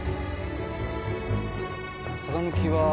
・風向きは。